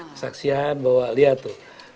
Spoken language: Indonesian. kesaksian bahwa lihat tuh